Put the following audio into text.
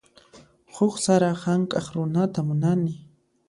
Huk sara hank'aq runata munani.